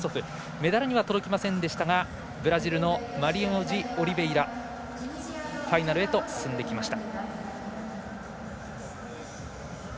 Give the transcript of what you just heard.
メダルには届きませんでしたがブラジルのマリニョジオリベイラがファイナルへと進んできました。